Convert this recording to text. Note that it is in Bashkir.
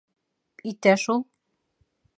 — Итә шул.